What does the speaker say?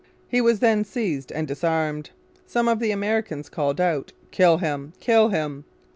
He was then seized and disarmed. Some of the Americans called out, 'Kill him! Kill him!'